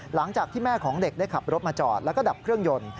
หลังจากที่แม่ของเด็กได้ขับรถมาจอดแล้วก็ดับเครื่องยนต์